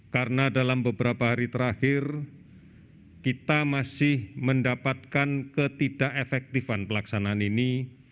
karena dalam beberapa hari terakhir kita masih mendapatkan ketidak efektifan pelaksanaan ini